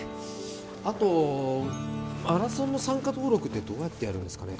あとマラソンの参加登録ってどうやってやるんですかね？